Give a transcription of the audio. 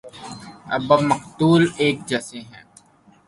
جب مقتول ایک جیسے ہیں۔